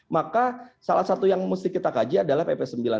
maka salah satu yang mesti kita kaji adalah pp sembilan puluh